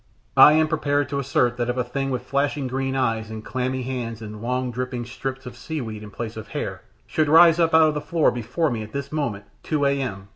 I am prepared to assert that if a thing with flashing green eyes, and clammy hands, and long, dripping strips of sea weed in place of hair, should rise up out of the floor before me at this moment, 2 A.M.